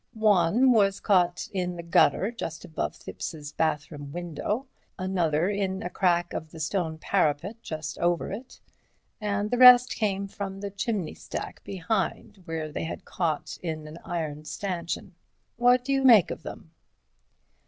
"One was caught in the gutter just above Thipps's bathroom window, another in a crack of the stone parapet just over it, and the rest came from the chimney stack behind, where they had caught in an iron stanchion. What do you make of them?"